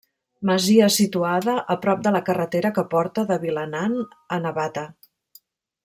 Masia situada a prop de la carretera que porta de Vilanant a Navata.